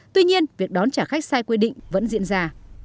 tuy nhiên việc đón trả khách sai quy định vẫn diễn ra